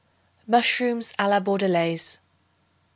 Mushrooms a la Bordelaise.